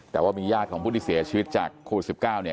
แต่ว่ามีญาติของผู้ที่เสียชีวิตจากโควิด๑๙เนี่ย